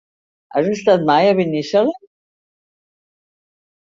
Has estat mai a Binissalem?